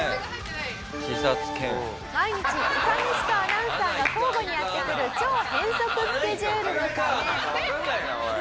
毎日いかめしとアナウンサーが交互にやってくる超変則スケジュールのため。